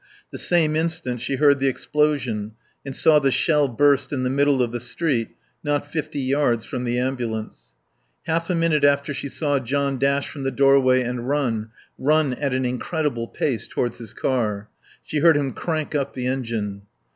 The same instant she heard the explosion and saw the shell burst in the middle of the street, not fifty yards from the ambulance. Half a minute after she saw John dash from the doorway and run, run at an incredible pace, towards his car. She heard him crank up the engine.